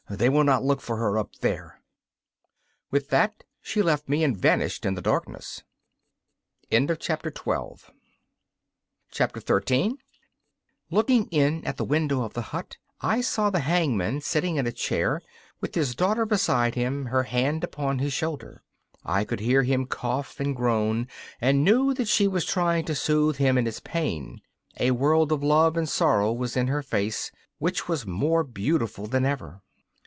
They will not look for her up there.' With that she left me and vanished in the darkness. 13 Looking in at the window of the hut, I saw the hangman sitting in a chair, with his daughter beside him, her hand upon his shoulder. I could hear him cough and groan, and knew that she was trying to soothe him in his pain. A world of love and sorrow was in her face, which was more beautiful than ever.